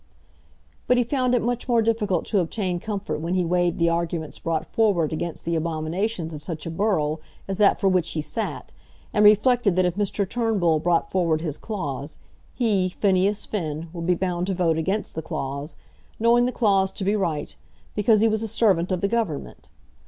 But he found it much more difficult to obtain comfort when he weighed the arguments brought forward against the abominations of such a borough as that for which he sat, and reflected that if Mr. Turnbull brought forward his clause, he, Phineas Finn, would be bound to vote against the clause, knowing the clause to be right, because he was a servant of the Government.